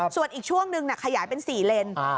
ส่วนอีกช่วงหนึ่งน่ะขยายเป็นสี่เลนอ่า